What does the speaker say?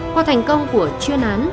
qua thành công của chuyên án